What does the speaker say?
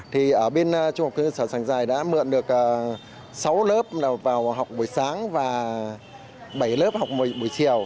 thì ở bên trung học cơ sở trang dài đã mượn được sáu lớp vào học buổi sáng và bảy lớp học buổi chiều